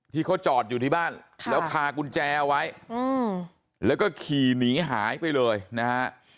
ที่เขาจอดอยู่ที่บ้านแล้วคากุญแจเอาไว้แล้วก็ขี่หนีหายไปเลยนะฮะ